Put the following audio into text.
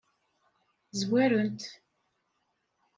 Zwaren-t.